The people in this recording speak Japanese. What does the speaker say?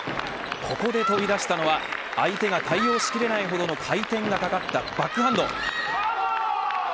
ここで飛び出したのは相手が対応しきれないほどの回転がかかったバックハンド。